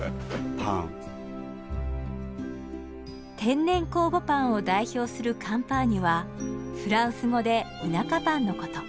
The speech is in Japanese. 天然酵母パンを代表するカンパーニュはフランス語で田舎パンのこと。